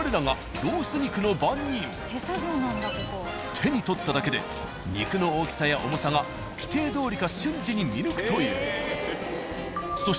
手に取っただけで肉の大きさや重さが規定どおりか瞬時に見抜くという。